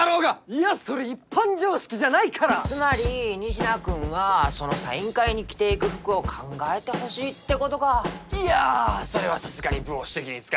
いやそれ一般常識じゃないからつまり仁科君はそのサイン会に着ていく服を考えてほしいってことかいやーそれはさすがに部を私的に使いすぎだろー！